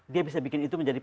dia bisa bikin itu menjadi